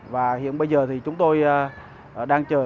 và hiện bây giờ thì chúng tôi đang chờ